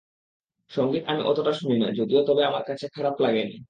সংগীত আমি অতোটা শুনি না যদিও তবে আমার কাছে খারাপ লাগেনি।